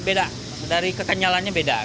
beda dari kekenyalannya beda